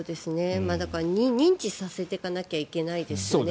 認知させていかなきゃいけないですよね。